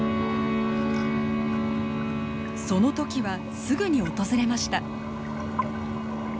その時はすぐに訪れました。